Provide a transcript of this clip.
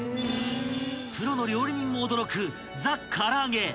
［プロの料理人も驚くザ★から揚げ］